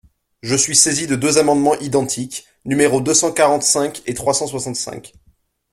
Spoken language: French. Je suis saisi de deux amendements identiques, numéros deux cent quarante-cinq et trois cent soixante-cinq.